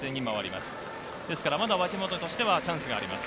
まだ脇本としてはチャンスがあります。